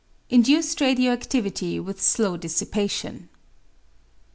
Induced Radio activity with Slow Dissipation.